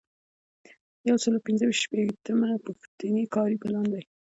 یو سل او پنځه شپیتمه پوښتنه کاري پلان دی.